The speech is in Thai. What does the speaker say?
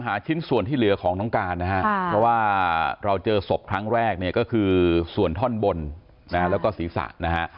ชิ้นส่วนที่เหลือของน้องการนะฮะเพราะว่าเราเจอศพครั้งแรกเนี่ยก็คือส่วนท่อนบนแล้วก็ศีรษะนะฮะ